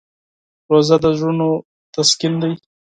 روژه د زړونو تسکین دی.